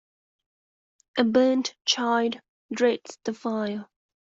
A burnt child dreads the fire